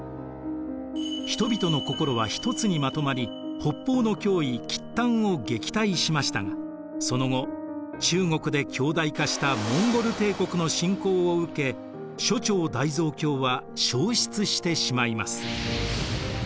人々の心はひとつにまとまり北方の脅威契丹を撃退しましたがその後中国で強大化したモンゴル帝国の侵攻を受け初彫大蔵経は焼失してしまいます。